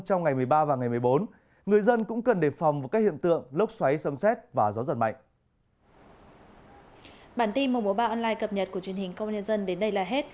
trong ngày một mươi ba và ngày một mươi bốn người dân cũng cần đề phòng các hiện tượng lốc xoáy sông xét và gió giật mạnh